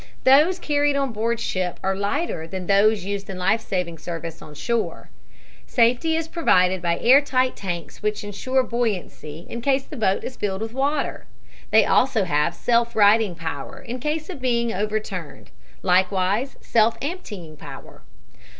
Those carried on board ship are lighter than those used in life saving service on shore. Safety is provided by air tight tanks which insure buoyancy in case the boat is filled with water. They have also self righting power in case of being overturned; likewise self emptying power.